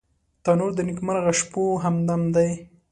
تنور د نیکمرغه شپو همدم دی